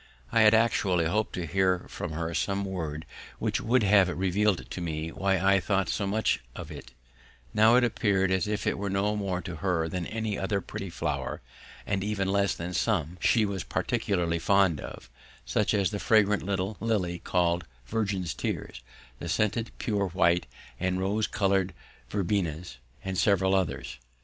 I had actually hoped to hear from her some word which would have revealed to me why I thought so much of it: now it appeared as if it was no more to her than any other pretty flower and even less than some she was peculiarly fond of, such as the fragrant little lily called Virgin's Tears, the scented pure white and the rose coloured verbenas, and several others.